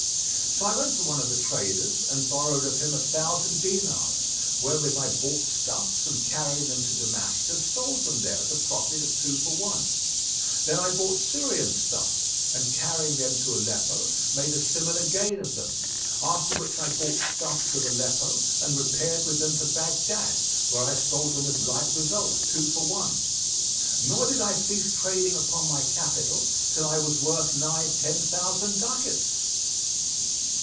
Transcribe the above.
So I went to one of the traders and borrowed of him a thousand dinars, wherewith I bought stuffs and carrying them to Damascus, sold them there at a profit of two for one. Then I bought Syrian stuffs and carrying them to Aleppo, made a similar gain of them; after which I bought stuffs of Aleppo and repaired with them to Baghdad, where I sold them with like result, two for one; nor did I cease trading upon my capital till I was worth nigh ten thousand ducats."